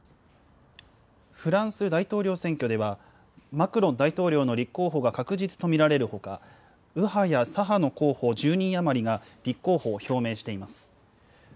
フランス大統領選挙では、マクロン大統領の立候補が確実と見られるほか、右派や左派の候補１０人余りが立候補を表明しています。